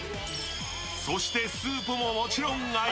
そして、スープももちろん鮎。